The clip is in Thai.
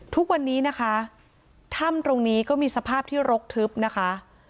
ทุกวันนี้นะคะถ้ำตรงนี้ก็มีสภาพที่รกทึบนะคะ